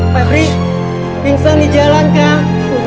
pebri bingung di jalan kang